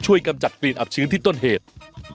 กำจัดกลิ่นอับชื้นที่ต้นเหตุ